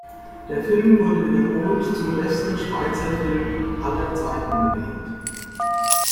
Der Film wurde wiederholt zum besten Schweizer Film „aller Zeiten“ gewählt.